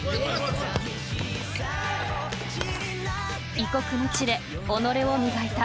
［異国の地で己を磨いた］